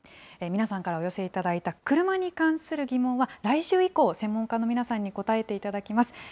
皆さんからお寄せいただいたクルマに関する疑問は、来週以降、専門家の皆さんに答えていただきます。